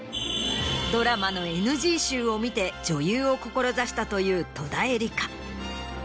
ドラマのＮＧ集を見て女優を志したという戸田恵梨香。